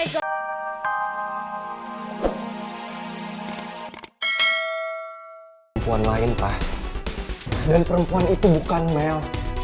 perempuan lain pak dan perempuan itu bukan mel